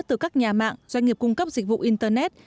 từ các nhà mạng doanh nghiệp cung cấp dịch vụ internet